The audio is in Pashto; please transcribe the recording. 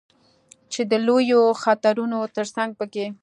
چې د لویو خطرونو ترڅنګ په کې